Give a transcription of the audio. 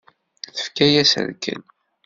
Tefka-yas rrkel.